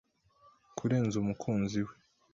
Kurenza Umukunzi we